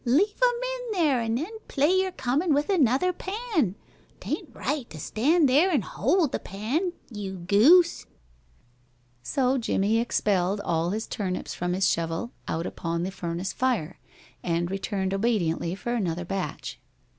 "Leave 'm in there, an' then play you're comin' with another pan. 'Tain't right to stand there an' hold the pan, you goose." So Jimmie expelled all his turnips from his shovel out upon the furnace fire, and returned obediently for another batch.